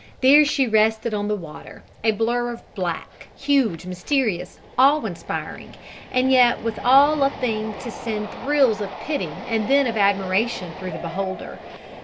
There she rested on the water, a blur of black huge, mysterious, awe inspiring and yet withal a thing to send thrills of pity and then of admiration through the beholder.